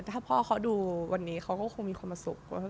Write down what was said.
ถ้าพ่อเขาดูวันนี้เขาก็คงมีความสุข